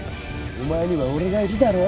お前には俺がいるだろ。